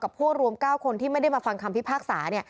พวกรวม๙คนที่ไม่ได้มาฟังคำพิพากษา